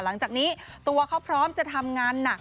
หลังจากนี้ตัวเขาพร้อมจะทำงานหนัก